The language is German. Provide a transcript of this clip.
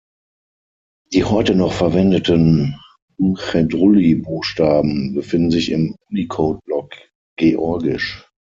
Die heute noch verwendeten Mchedruli-Buchstaben befinden sich im Unicodeblock Georgisch.